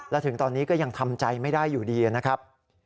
และถึงตอนนี้ก็ยังทำใจไม่ได้อยู่ดีนะครับ